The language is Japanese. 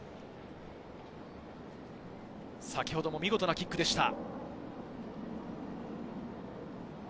先ほども見事なキックでした。